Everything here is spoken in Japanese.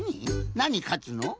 なにかつの？